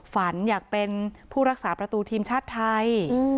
ฝันอยากเป็นผู้รักษาประตูทีมชาติไทย